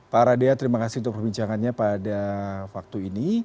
pak aradea terima kasih untuk perbincangannya pada waktu ini